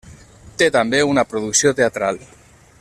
Té també una producció teatral.